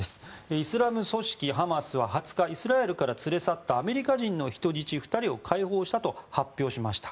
イスラム組織ハマスは２０日イスラエルから連れ去ったアメリカ人の人質２人を解放したと発表しました。